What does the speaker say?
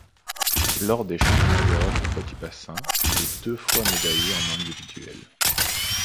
Lors des Championnats d'Europe en petit bassin, il est deux fois médaillé en individuel.